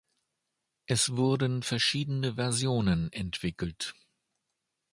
Es wurden verschiedene Versionen entwickelt.